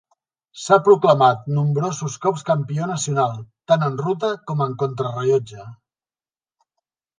S'ha proclamat nombrosos cops campió nacional, tant en ruta com en contrarellotge.